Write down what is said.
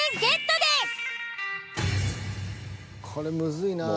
これむずいなぁ。